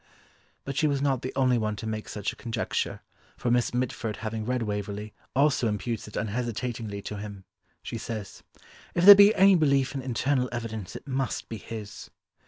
But she was not the only one to make such a conjecture, for Miss Mitford having read Waverley also imputes it unhesitatingly to him, she says, "If there be any belief in internal evidence it must be his."